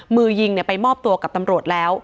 มือยิงไปมอบตัวกับตำรวจแล้ว